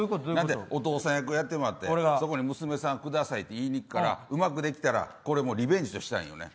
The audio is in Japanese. お父さん役やってもらってそこに娘さんくださいって言いにいくからうまくいったらこれリベンジしたいんよね。